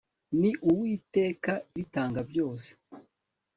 ni uwiteka ibitanga byose